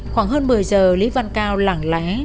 khoảng hơn một mươi giờ lý văn cao lẳng lẽ